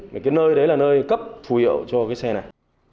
cái nơi đấy là nơi cấp phù hiệu cho cái xe này